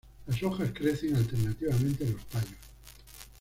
Las hojas crecen alternativamente en los tallos.